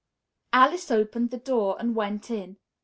Alice opened the door and went in.